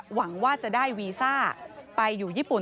หวังว่าจะได้วีซ่าไปอยู่ญี่ปุ่น